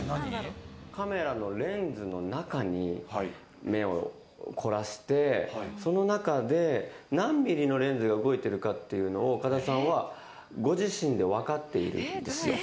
カメラのレンズの中に目を凝らして、その中で何ミリのレンズが動いているかっていうのを、岡田さんはご自身で分かっているんですよ。